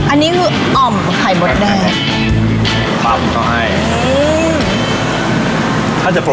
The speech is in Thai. อันนี้คืออมไข่มดแดงฝากของต่างหาก็เต็บ